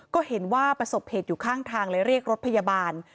ก็เห็นว่าประสบเหตุอยู่ข้างทางเลยเรียกรถพยาบาล